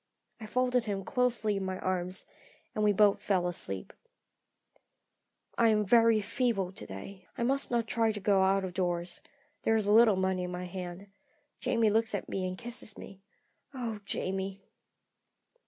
I folded him closely in my arms, and we both fell asleep. "I am very feeble to day. I must not try to go out of doors. There is a little money in hand. Jamie looks at me and kisses me. Oh, Jamie!"